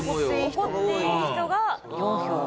怒っていい人が４票。